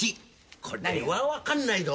これは分かんないぞ。